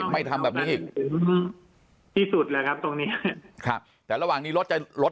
ไม่ทำแบบนี้ที่สุดแหละครับตรงนี้ครับระหว่างนี้รถจะรถ